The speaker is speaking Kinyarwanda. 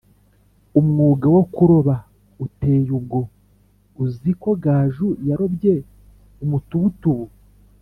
umwuga wo kuroba uteye ubwo uziko gaju yarobye umutubutubu